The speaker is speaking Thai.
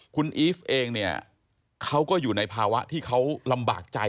คุณอีฟเองเนี่ยเขาก็อยู่ในภาวะที่เขาลำบากใจ